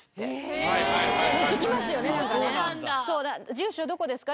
「住所どこですか？」